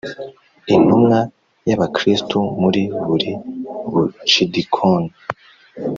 Intumwa y abakristo muri buri Bucidikoni